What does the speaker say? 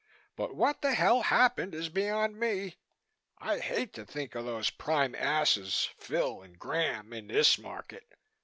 But what the hell happened is beyond me. I hate to think of those prime asses, Phil and Graham, in this market.